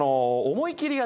思い切りが。